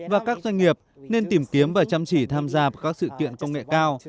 và các doanh nghiệp nên tìm kiếm và chăm chỉ tham gia vào các sự kiện công nghệ cao